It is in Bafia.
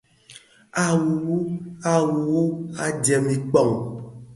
A wuwu, a wuwu, à tsem pong.